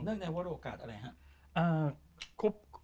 เนื่องในวัตถุโอกาสอะไรครับ